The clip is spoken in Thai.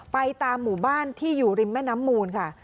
ไปตามหมู่บ้านที่อยู่ริมแม่น้ำมูลค่ะ